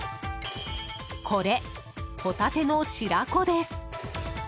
これ、ホタテの白子です。